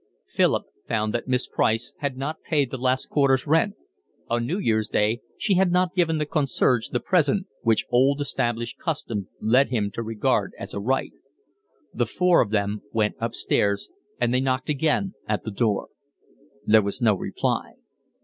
Philip found that Miss Price had not paid the last quarter's rent: on New Year's Day she had not given the concierge the present which old established custom led him to regard as a right. The four of them went upstairs, and they knocked again at the door. There was no reply.